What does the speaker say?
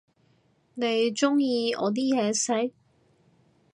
你鍾意我啲嘢食？